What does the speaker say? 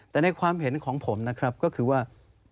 แต่ในความเห็นของผมนะครับก็คือว่า